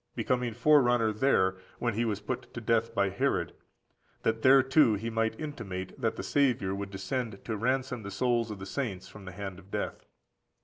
becoming a forerunner there when he was put to death by Herod, that there too he might intimate that the Saviour would descend to ransom the souls of the saints from the hand of death.